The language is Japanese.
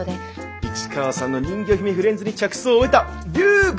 市川さんの人魚姫フレンズに着想を得た竜宮城フレンズ！